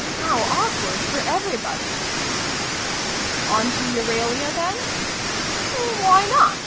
How awkward for everybody! On to Euralia then? Why not?